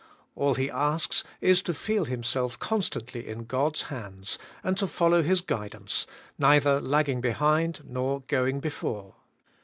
All he asks is to feel himself constantly in God's hands, and to follow His guidance, neither lagging behind nor going before.